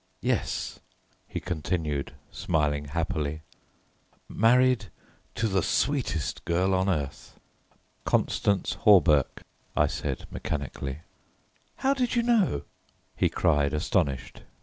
"Yes," he continued, smiling happily, "married to the sweetest girl on earth." "Constance Hawberk," I said mechanically. "How did you know?" he cried, astonished.